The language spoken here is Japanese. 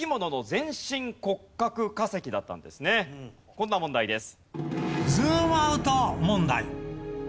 こんな問題です。